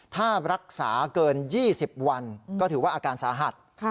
ถ้ารักษาเกิน๒๐วันก็ถือว่าอาการสาหัส